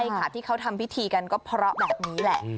ใช่ค่ะที่เขาทำพิธีกันก็เพราะแบบนี้แหละ